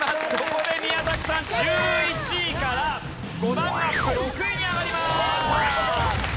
ここで宮さん１１位から５段アップ６位に上がります。